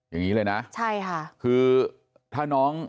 อย่างนี้เลยนะใช่ค่ะคือถ้าน้อง